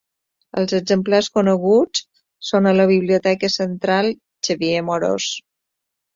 Els exemplars coneguts són a la Biblioteca Central Xavier Amorós.